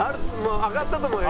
上がったと思うよ